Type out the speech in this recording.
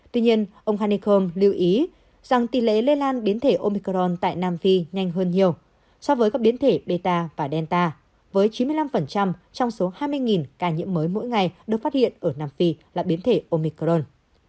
tuy nhiên ông hanekom lưu ý rằng tỷ lệ lây lan biến thể omicron tại nam phi nhanh hơn nhiều so với các biến thể bea và delta với chín mươi năm trong số hai mươi ca nhiễm mới mỗi ngày được phát hiện ở nam phi là biến thể omicron